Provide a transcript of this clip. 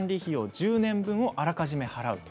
１０年分をあらかじめ払う。